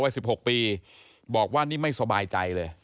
๑๖ปีบอกว่านี่ไม่สบายใจเลย